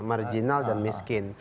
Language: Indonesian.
marginal dan miskin